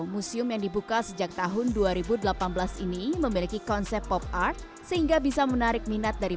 museum yang dibuka sejak tahun dua ribu delapan belas ini memiliki konsep pop art sehingga bisa menarik minat dari